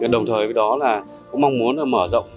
đồng thời với đó là cũng mong muốn mở rộng